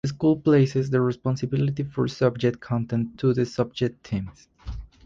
The school places the responsibility for subject content to the subject teams.